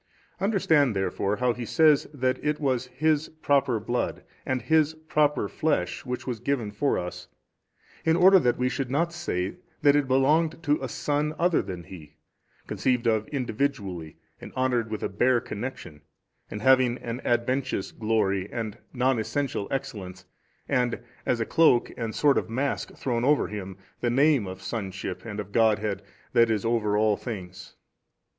Understand therefore how He says that it was His Proper Blood and His Proper Flesh which was given for us, in order that we should not say that it belonged to a son other than He, conceived of individually and honoured with a bare connection and having an adventitious glory and non essential excellence and, as a cloak and sort of mask thrown over him, the name of sonship and of the Godhead that is over all things.